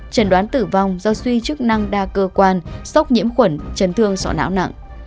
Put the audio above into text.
trần đoán tử vong do suy chức năng đa cơ quan sốc nhiễm khuẩn chấn thương sọ não nặng